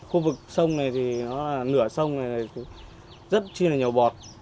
khu vực sông này thì nó là nửa sông này rất chia là nhiều bọt